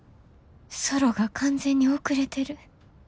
ソロが完全に遅れてる。